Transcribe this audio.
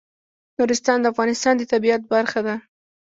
نورستان د افغانستان د طبیعت برخه ده.